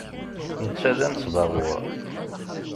Netta d anesbaɣur.